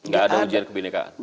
gak ada ujian kebinekaan